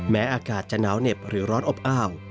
อากาศจะหนาวเหน็บหรือร้อนอบอ้าว